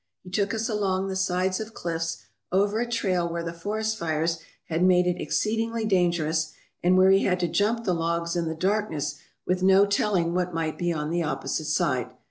He took us along the sides of cliffs, over a trail where the forest fires had made it exceedingly dangerous, and where we had to jump the logs in the darkness with no telling what might be on the opposite side.